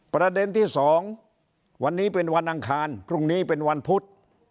ประเด็นที่๒วันนี้เป็นวันอังคารพรุ่งนี้เป็นวันพุธ